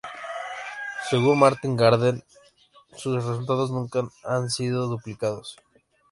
Según Martin Gardner, sus resultados nunca han sido duplicados.